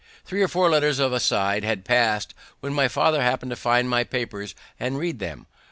Three or four letters of a side had passed, when my father happened to find my papers and read them.